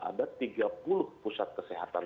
ada tiga puluh pusat kesehatan